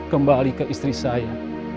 kembali ke istri saya